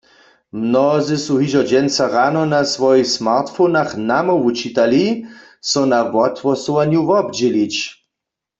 Mnozy su hižo dźensa rano na swojich smartphonach namołwu čitali, so na wothłosowanju wobdźělić.